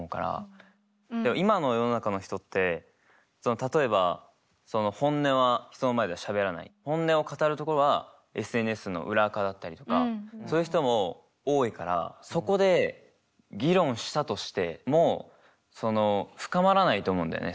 今の世の中の人ってその例えばその本音は人の前でしゃべらない本音を語るところはＳＮＳの裏アカだったりとかそういう人も多いからそこで議論したとしてもその深まらないと思うんだよね